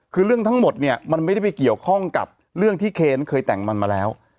คือเรื่องทั้งหมดเนี่ยมันไม่ได้ไปเกี่ยวข้องกับเรื่องที่เคนเคยแต่งมันมาแล้ว